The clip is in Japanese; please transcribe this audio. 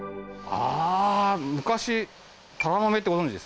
あ昔タラの芽ってご存じです？